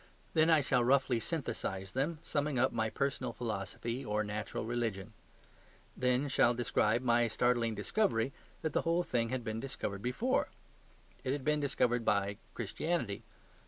Then I shall roughly synthesise them, summing up my personal philosophy or natural religion; then I shall describe my startling discovery that the whole thing had been discovered before. It had been discovered by Christianity.